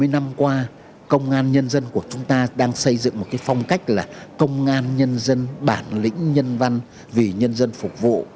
bảy mươi năm qua công an nhân dân của chúng ta đang xây dựng một cái phong cách là công an nhân dân bản lĩnh nhân văn vì nhân dân phục vụ